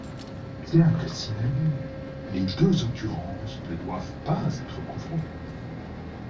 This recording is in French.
Bien que synonymes, les deux occurrences ne doivent pas être confondues.